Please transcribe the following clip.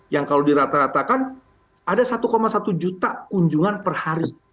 yang kalau dirata ratakan ada satu satu juta kunjungan per hari